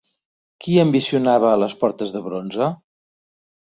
Qui ambicionava les portes de bronze?